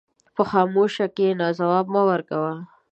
په خاموشۍ کښېنه، ځواب مه ورکوه.